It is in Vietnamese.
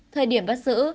thời điểm bắt giữ